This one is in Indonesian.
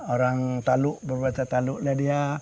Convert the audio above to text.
orang taluk berbahasa taluk lah dia